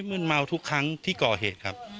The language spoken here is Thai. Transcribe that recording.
มืนเมาทุกครั้งที่ก่อเหตุครับ